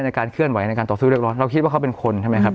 ในการเคลื่อนไหวในการต่อสู้เรือกร้อน